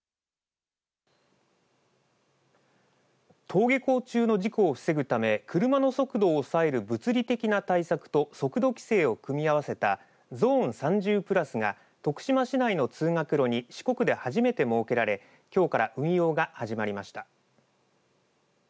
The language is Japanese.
登下校中の事故を防ぐため車の速度を抑える物理的な対策と速度規制を組み合わせたゾーン３０プラスが徳島市の通学路に四国で初めて設けられきょうから運用が始まりました。